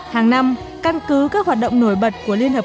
hàng năm căn cứ các hoạt động nổi bật của liên minh upu